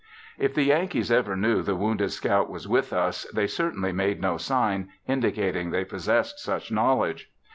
If the Yankees ever knew the wounded scout was with us they certainly made no sign indicating they possessed such knowledge.